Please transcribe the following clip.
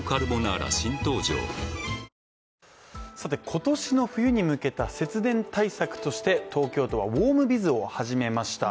今年の冬に向けた節電対策として東京都はウォームビズを始めました。